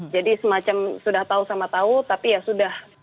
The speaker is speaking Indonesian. jadi semacam sudah tahu sama tahu tapi ya sudah